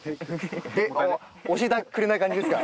教えてくれない感じですか？